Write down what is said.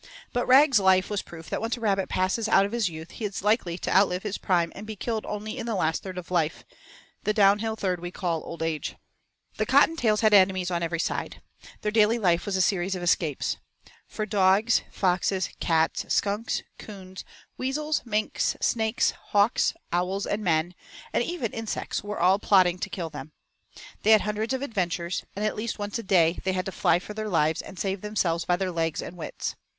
But Rag's life was proof that once a rabbit passes out of his youth he is likely to outlive his prime and be killed only in the last third of life, the downhill third we call old age. The Cottontails had enemies on every side. Their daily life was a series of escapes. For dogs, foxes, cats, skunks, coons, weasels, minks, snakes, hawks, owls, and men, and even insects were all plotting to kill them. They had hundreds of adventures, and at least once a day they had to fly for their lives and save themselves by their legs and wits.